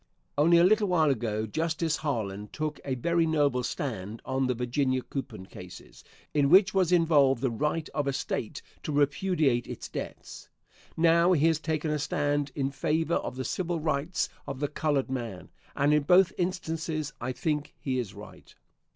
Only a little while ago Justice Harlan took a very noble stand on the Virginia Coupon cases, in which was involved the right of a State to repudiate its debts. Now he has taken a stand in favor of the civil rights of the colored man; and in both instances I think he is right.